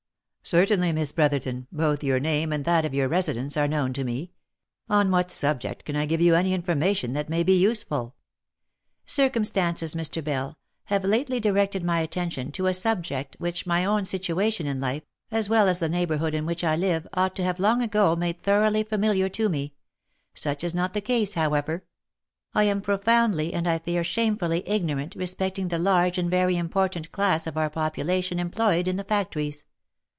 " Certainly, Miss Brotherton, both your name, and that of your residence are known to me — on what subject can 1 give you any in formation that may be useful V* " Circumstances, Mr. Bell, have lately directed my attention to a subject which my own situation in life, as well as the neighbourhood in which I live ought to have long ago made thoroughly familiar to me — such is not the case, however ; I am profoundly, and I fear shamefully ignorant respecting the large and very important class of our popula tion employed in the factories.